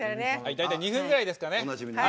大体２分ぐらいですね。